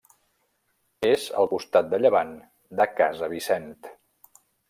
És al costat de llevant de Casa Vicent.